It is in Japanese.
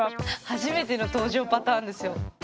初めての登場パターンですよ。